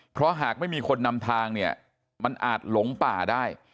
เพราะหากไม่มีคนนำทางเนี่ยมันอาจหลงป่าได้